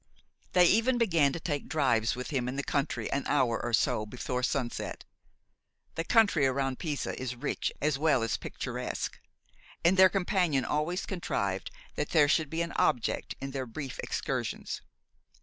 They even began to take drives with him in the country an hour or so before sunset. The country around Pisa is rich as well as picturesque; and their companion always contrived that there should be an object in their brief excursions.